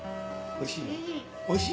おいしい？